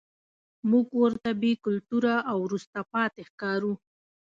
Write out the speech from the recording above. موږ ورته بې کلتوره او وروسته پاتې ښکارو.